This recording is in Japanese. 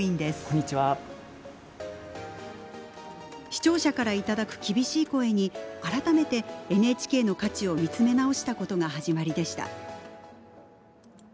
視聴者から頂く厳しい声に改めてＮＨＫの価値を見つめ直したことが始まりでした。